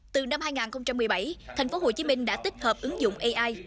từ năm hai nghìn một mươi bảy tp hcm đã tích hợp ứng dụng ai